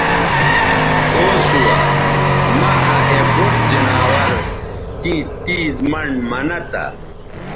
او سُوہ مہ آ اے بُوٹ زناور تیں تیز منڈ منہ تہ